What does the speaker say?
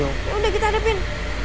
yaudah kita hadapin